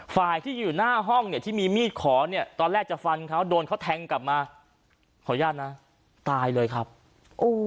ฝ่ายที่อยู่หน้าห้องเนี่ยที่มีมีดขอเนี่ยตอนแรกจะฟันเขาโดนเขาแทงกลับมาขออนุญาตนะตายเลยครับโอ้